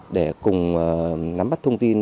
để cùng nắm bắt thông tin